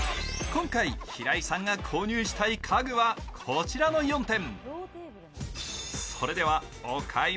今回平井さんが購入したい家具はこちらの４店。